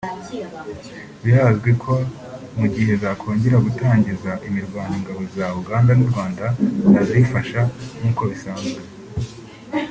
Birazwi ko mu gihe zakongera gutangiza imirwano ingabo za Uganda n’u Rwanda zazifasha nk’uko bisanzwe